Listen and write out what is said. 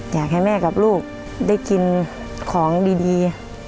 อยากให้แม่กับลูกได้กินของดี